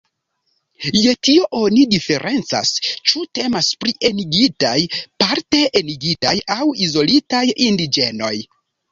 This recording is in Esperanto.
Je tio oni diferencas, ĉu temas pri "enigitaj", "parte enigitaj" aŭ "izolitaj" indiĝenoj.